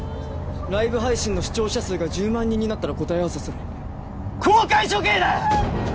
ライブ配信の視聴者数が１０万人になったら答え合わせする公開処刑だ！